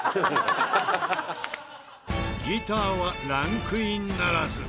ギターはランクインならず。